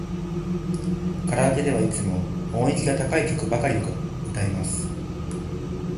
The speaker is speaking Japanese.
カラオケではいつも音域が高い曲ばかり歌います。